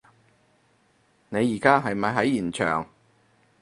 你而家係咪喺現場？